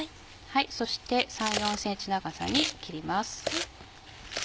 そして３４ｃｍ長さに切ります。